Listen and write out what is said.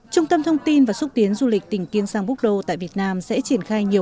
trung tâm thông tin và xúc tiến du lịch tỉnh kiêng sang búc đô tại việt nam sẽ triển khai nhiều